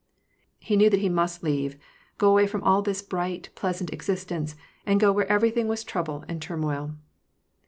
He knew that he must leave, go away from all this bright, pleasant existence, and go where everything was trouble and turmoil.